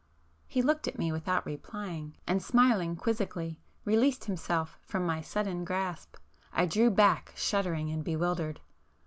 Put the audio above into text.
He looked at me without replying, and smiling quizzically, released himself from my sudden grasp. I drew back shuddering and bewildered.